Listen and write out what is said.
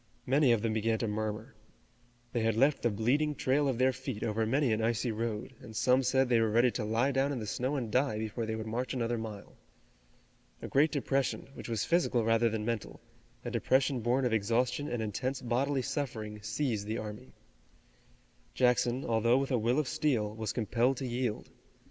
Many of them began to murmur. They had left the bleeding trail of their feet over many an icy road, and some said they were ready to lie down in the snow and die before they would march another mile. A great depression, which was physical rather than mental, a depression born of exhaustion and intense bodily suffering, seized the army. Jackson, although with a will of steel, was compelled to yield.